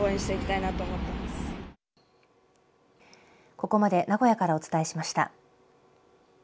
ここまで名古屋からお伝えしました。